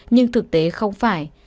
nhưng thực tế không phải